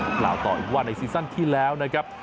พูดเปล่าต่ออีกวันในซีสันที่แล้วนะครับ